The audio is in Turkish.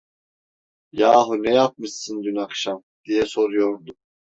"Yahu ne yapmışsın dün akşam?" diye soruyordu.